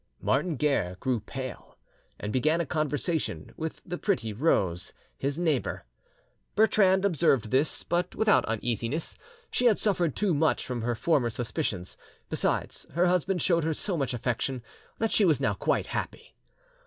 Martin Guerre grew pale, and began a conversation with the pretty Rose, his neighbour. Bertrande observed this, but without uneasiness; she had suffered too much from her former suspicions, besides her husband showed her so much affection that she was now quite happy.